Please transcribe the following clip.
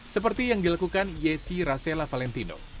seperti yang dilakukan yesi rasela valentino